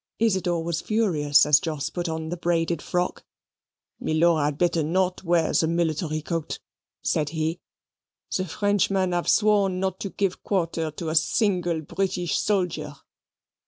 Isidor was furious as Jos put on the braided frock. "Milor had better not wear that military coat," said he; "the Frenchmen have sworn not to give quarter to a single British soldier."